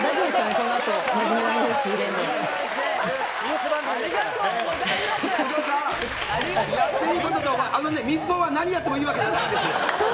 このあと、有働さん、あのね、民放は何やってもいいわけじゃないんですよ。